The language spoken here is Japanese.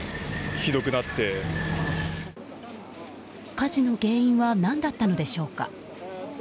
火事の原因は何だったのでしょうか。